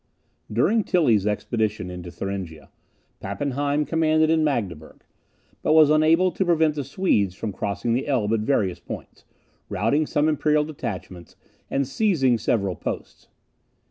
During Tilly's expedition into Thuringia, Pappenheim commanded in Magdeburg; but was unable to prevent the Swedes from crossing the Elbe at various points, routing some imperial detachments, and seizing several posts.